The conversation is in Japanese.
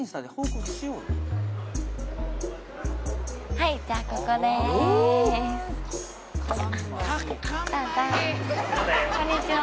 はいじゃあここですこんにちは